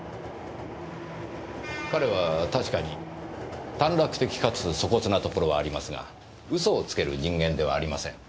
彼は確かに短絡的かつ粗こつなところはありますが嘘をつける人間ではありません。